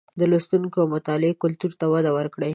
د لوستلو او مطالعې کلتور ته وده ورکړئ